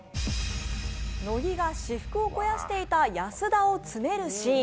乃木が私腹を肥やしていたヤスダを詰めるシーン。